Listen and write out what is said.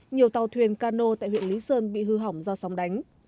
nhiều tàu thuyền cano tại huyện lý sơn bị hư hỏng do sóng đánh